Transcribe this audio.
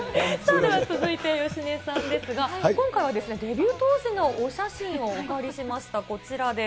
では続いてよしねさんですが今回はデビュー当時のお写真をお借りしました、こちらです。